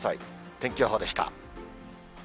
天気予報でした。